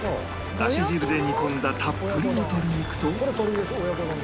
出汁汁で煮込んだたっぷりの鶏肉と